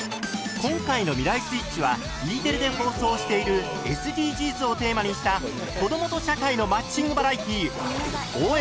今回の「未来スイッチ」はＥテレで放送しているＳＤＧｓをテーマにした「子どもと社会のマッチングバラエティー応援！